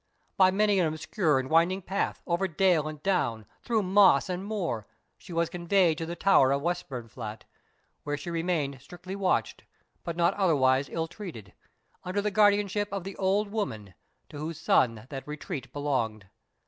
By many an obscure and winding path, over dale and down, through moss and moor, she was conveyed to the tower of Westburnflat, where she remained strictly watched, but not otherwise ill treated, under the guardianship of the old woman, to whose son that retreat belonged.